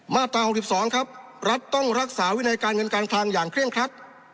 มาตรา๖๒ครับรัฐต้องรักษาวินัยการเงินการคลังอย่างเคร่งครัด